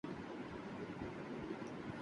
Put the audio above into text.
دوپٹے بھگو